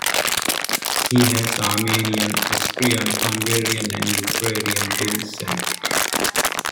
He has Armenian, Austrian, Hungarian and Ukrainian descent.